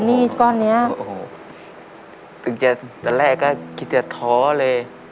มีดก้อนเนี้ยโอ้โหถึงจะตอนแรกก็คิดจะท้อเลย